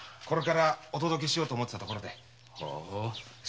これからお届けしようと思ってたところで。